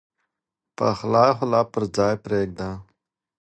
پخلی خو لا پر ځای پرېږده.